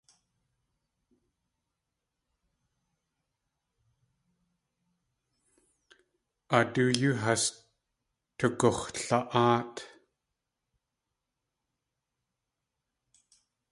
A doo yoo has tugux̲la.áat.